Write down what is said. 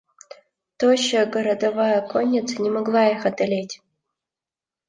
Тощая городовая конница не могла их одолеть.